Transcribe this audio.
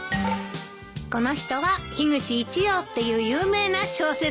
この人は樋口一葉っていう有名な小説家よ。